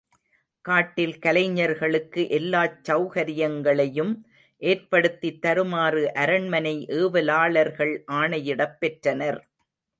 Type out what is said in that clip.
காட்டில் கலைஞர்களுக்கு எல்லாச் செளகரியங்களையும் ஏற்படுத்தித் தருமாறு அரண்மனை ஏவலாளர்கள் ஆணையிடப் பெற்றனர்.